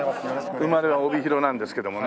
生まれは帯広なんですけどもね。